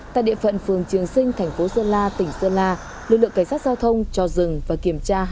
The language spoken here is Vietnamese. tại địa phận phường trường sinh thành phố sơn la tỉnh sơn la lực lượng cảnh sát giao thông cho rừng và kiểm tra